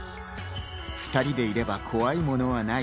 ２人でいれば怖いものはない。